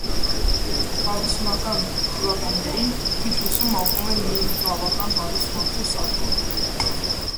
Քառասնական թվականներին Թիֆլիսում ապրում էր մի բավական հարուստ մարդ Սաքո անունով: